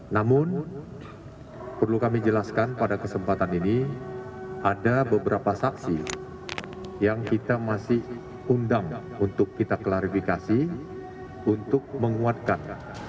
namun perlu kami jelaskan pada kesempatan ini ada beberapa saksi yang kita masih undang untuk kita klarifikasi untuk menguatkan